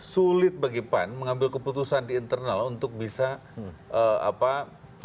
sulit bagi pan mengambil keputusan di internal untuk bisa sepenuh hati bergabung dengan